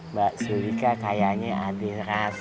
mbak sulika kayaknya ada rasa